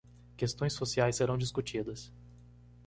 Questões sociais serão discutidas.